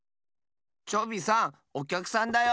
チョビさんおきゃくさんだよ。